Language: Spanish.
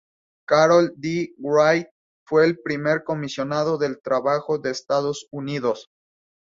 Carroll D. Wright fue el primer comisionado del trabajo de Estados Unidos.